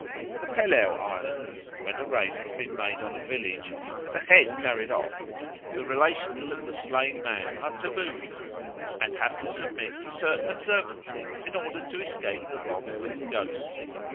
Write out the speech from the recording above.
In the Pelew Islands when a raid has been made on a village and a head carried off, the relations of the slain man are tabooed and have to submit to certain observances in order to escape the wrath of his ghost.